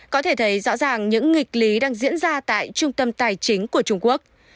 có thể thấy rõ ràng những nghịch lý đang diễn ra tại trung tâm tài chính của trung quốc